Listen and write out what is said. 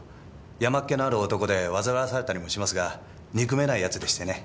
山っ気のある男で煩わされたりもしますが憎めない奴でしてね。